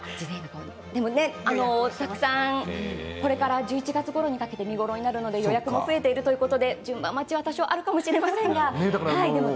たくさん、これから１１月ごろにかけて見頃になるので、予約も増えているということで順番待ちが多少あるかもしれませんが。